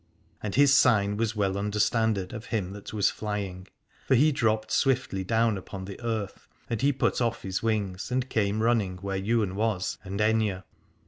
And his sign was well understanded of him that was fly ing, for he dropped swiftly down upon the earth, and he put off his wings and came running where Ywain was and Aithne.